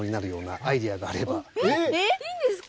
いいんですか？